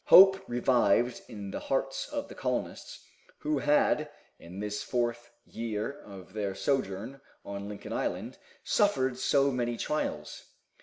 Hope revived in the hearts of the colonists, who had, in this fourth year of their sojourn on Lincoln island, suffered so many trials.